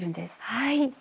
はい！